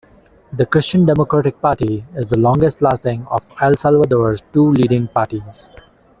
The Christian Democratic Party is the longest lasting of El Salvador's two leading parties.